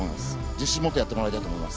自信を持ってやってもらいたいと思います。